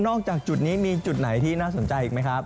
จากจุดนี้มีจุดไหนที่น่าสนใจอีกไหมครับ